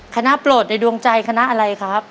โปรดในดวงใจคณะอะไรครับ